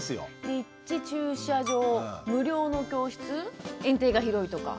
立地駐車場無料の教室園庭が広いとか。